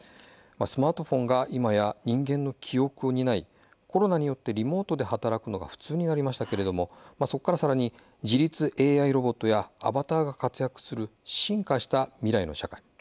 スマートフォンが今や人間の記憶を担いコロナによってリモートで働くことが普通になりましたけどそこからさらに自立ＡＩロボットやアバターが活躍する進化した未来の社会。